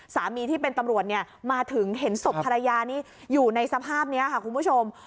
สามีที่เป็นตำรวจมาถึงเห็นศพภรรยาอยู่ในสภาพนี้ค่ะคุณผู้ชม